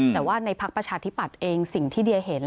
แต่ว่าในพักประชาธิปัตย์เองสิ่งที่เดียเห็น